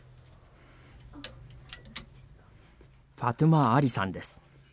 ファトゥマ・アリさんです。